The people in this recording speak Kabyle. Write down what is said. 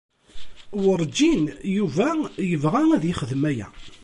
Werǧin Yuba yebɣa ad yexdem aya.